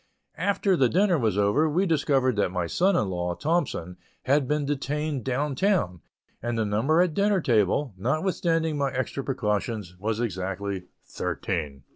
After the dinner was over, we discovered that my son in law, Thompson, had been detained down town, and the number at dinner table, notwithstanding my extra precautions, was exactly thirteen.